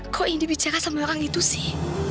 kok ini bicara sama orang itu sih